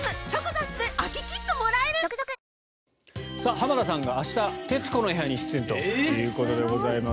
浜田さんが明日、「徹子の部屋」に出演ということでございます。